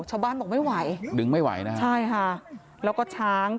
ชาวบ้านบอกไม่ไหวดึงไม่ไหวนะฮะใช่ค่ะแล้วก็ช้าง